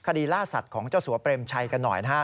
ล่าสัตว์ของเจ้าสัวเปรมชัยกันหน่อยนะฮะ